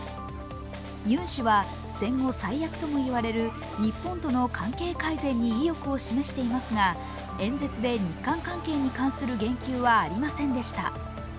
ユン氏は、戦後最悪とも言われる日本との関係改善に意欲を示していますが演説で日韓関係に関する言及はありませんでした。